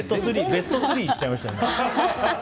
ベスト３言っちゃいましたね。